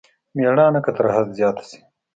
مېړانه که تر حد زيات شي.